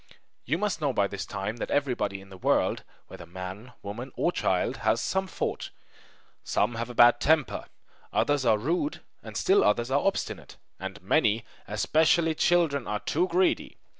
You must know by this time that everybody in the world whether man, woman, or child has some fault. Some have a bad temper, others are rude, and still others are obstinate; and many, especially children, are too greedy!